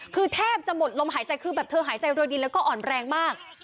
คือแทบจะหมดลมหายใจคือแบบเธอหายใจรวยดินแล้วก็อ่อนแรงมาก